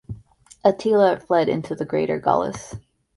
Attila fled into the greater Gauls.